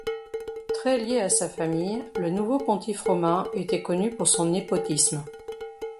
Très lié à sa famille le nouveau pontife romain était connu pour son népotisme.